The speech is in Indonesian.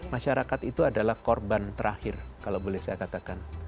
masyarakat itu adalah korban terakhir kalau boleh saya katakan